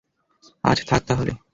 আজ থাক তাহলে!